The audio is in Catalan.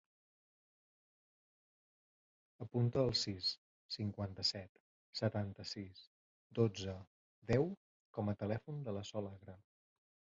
Apunta el sis, cinquanta-set, setanta-sis, dotze, deu com a telèfon de la Sol Agra.